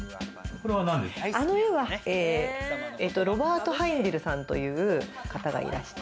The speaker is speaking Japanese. あの絵は、ロバート・ハインデルさんという方がいらして。